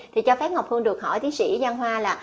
thì cho phép ngọc hương được hỏi tiến sĩ giang hoa là